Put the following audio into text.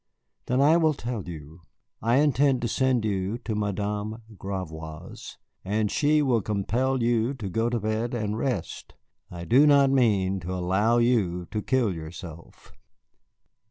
"Then I will tell you. I intend to send you to Madame Gravois's, and she will compel you to go to bed and rest. I do not mean to allow you to kill yourself."